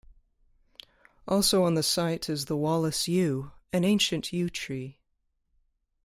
Also on the site is the Wallace Yew, an ancient Yew Tree.